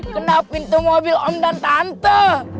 kenapa itu mobil om dan tante